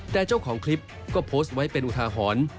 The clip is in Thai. แต่เจ้าของคลิปก็โพสต์ไว้เป็นอุทาหรณ์